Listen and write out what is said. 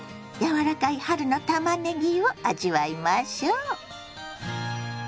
柔らかい春のたまねぎを味わいましょ。